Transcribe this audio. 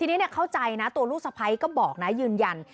ทีนี้เข้าใจนะตัวลูกสะพ้ายก็บอกนะยืนยัน